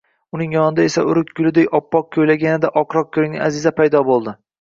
uning yonida esa oʼrik gulidek oppoq koʼylagi yanada oqroq koʼringan Аziza paydo boʼldi.